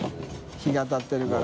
↓当たってるから。